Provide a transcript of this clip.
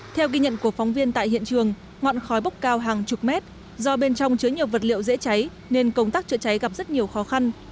theo ghi nhận của phóng viên tại hiện trường ngọn khói bốc cao hàng chục mét do bên trong chứa nhiều vật liệu dễ cháy nên công tác chữa cháy gặp rất nhiều khó khăn